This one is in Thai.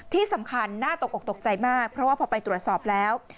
ที่สำคัญน่าตกออกตกใจมากเพราะว่าพอไปตรวจสอบแล้ว